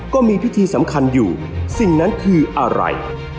ก็มีพิธีสำคัญอยู่สิ่งนั้นคืออะไร